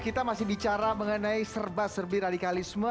kita masih bicara mengenai serba serbi radikalisme